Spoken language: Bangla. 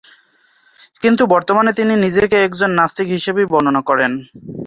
কিন্তু বর্তমানে তিনি নিজেকে একজন নাস্তিক হিসেবেই বর্ণনা করেন।